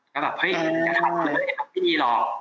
ก็แบบเฮ้ยอย่างนั้นไม่ได้ดีหรอก